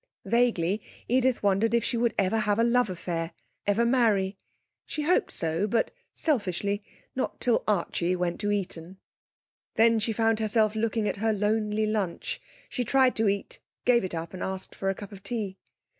Vaguely Edith wondered if she would ever have a love affair, ever marry. She hoped so, but (selfishly) not till Archie went to Eton. Then she found herself looking at her lonely lunch; she tried to eat, gave it up, asked for a cup of tea.